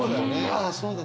あそうだ